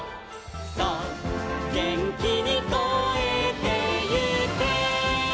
「そうげんきにこえてゆけ」